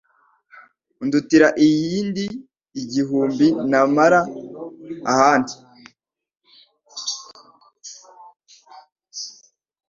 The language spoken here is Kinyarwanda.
undutira iyindi igihumbi namara ahandi